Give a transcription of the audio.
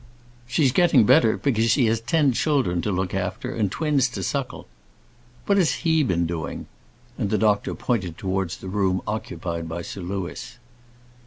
"She's getting better, because she has ten children to look after, and twins to suckle. What has he been doing?" And the doctor pointed towards the room occupied by Sir Louis.